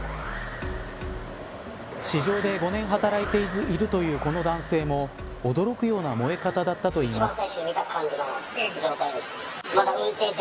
市場で５年働いているというこの男性も驚くような燃え方だったといいます。